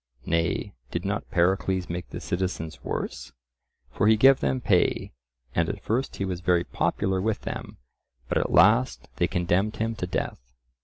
Nay, did not Pericles make the citizens worse? For he gave them pay, and at first he was very popular with them, but at last they condemned him to death.